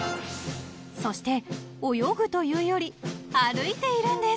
［そして泳ぐというより歩いているんです］